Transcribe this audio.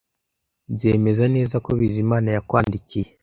Nzemeza neza ko Bizimana yakwandikiye.